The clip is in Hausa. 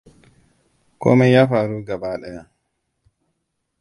Komai ya faru gaba daya.